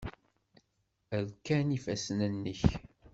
Rkan yifassen-nnek.